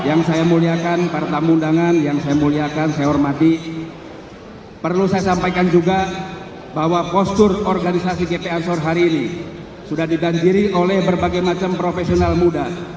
akan dilanjutkan oleh bapak prabowo